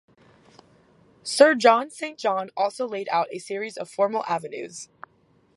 Sir John Saint John also laid out a series of formal avenues.